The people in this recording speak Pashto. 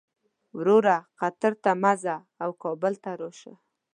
وروره قطر ته مه ځه او کابل ته راشه.